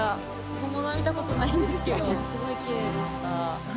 本物は見たことないんですけど、すごいきれいでした。